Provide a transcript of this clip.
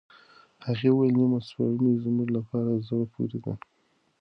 هغې وویل، نیمه سپوږمۍ زموږ لپاره زړه پورې ده.